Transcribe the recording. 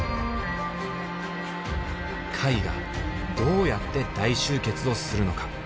貝がどうやって大集結をするのか？